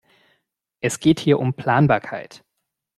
Es geht hier um Planbarkeit.